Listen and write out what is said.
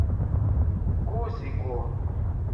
گو سی کوٹھ۔